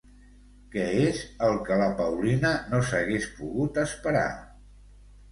Què és el que la Paulina no s'hagués pogut esperar?